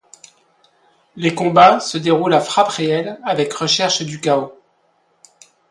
Les combats se déroulent à frappes réelles, avec recherche du K-O.